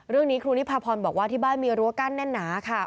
ครูนิพาพรบอกว่าที่บ้านมีรั้วกั้นแน่นหนาค่ะ